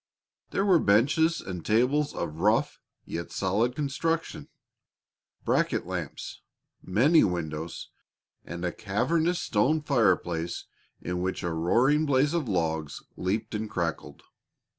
There were benches and tables of rough yet solid construction, bracket lamps, many windows, and a cavernous stone fireplace in which a roaring blaze of logs leaped and crackled.